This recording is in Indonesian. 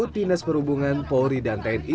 dinas perhubungan polri dan tni